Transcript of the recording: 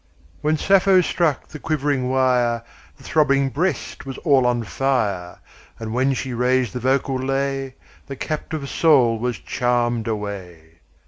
1 When Sappho struck the quivering wire, The throbbing breast was all on fire; And when she raised the vocal lay, The captive soul was charm'd away!